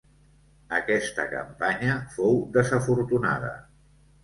Aquesta campanya fou desafortunada.